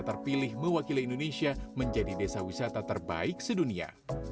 terpilih mewakili indonesia menjadi desa wisata terbaik sedunia